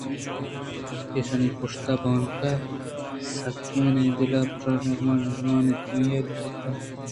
ایشانی پُشت ءَبانک ء ِسکین ءُدل ءِ بژن ءُارمان مان اَنت کہ آئی ءَ را دگر ءِ دل ءِ ارمان ءُجزبگانی تشے ہم پرواہ نیست اَنت